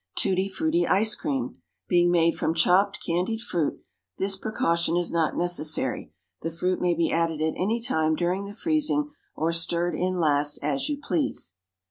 Tutti frutti Ice Cream being made from chopped candied fruit, this precaution is not necessary; the fruit may be added at any time during the freezing, or stirred in last, as you please.